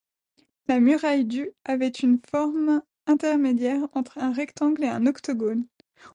La muraille du avait une forme intermédiaire entre un rectangle et un octogone.